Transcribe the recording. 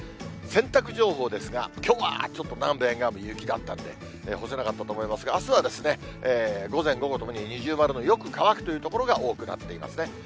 洗濯情報ですが、きょうはちょっと南部沿岸部、雪だったんで、干せなかったと思いますが、あすは午前、午後ともに二重丸のよく乾くという所が多くなっていますね。